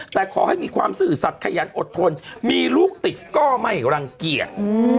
แต่ขอให้มีความซื่อสัตว์ขยันอดทนมีลูกติดก็ไม่รังเกียจ